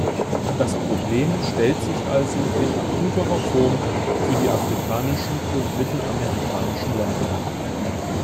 Das Problem stellt sich also in akuterer Form für die afrikanischen und mittelamerikanischen Länder.